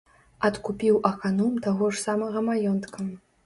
Адкупіў аканом таго ж самага маёнтка.